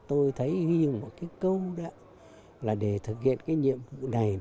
tôi thấy ghi một cái câu đó là để thực hiện cái nhiệm vụ này